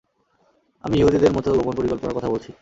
আমি ইহুদীদের মত গোপন পরিকল্পনার কথা বলছি।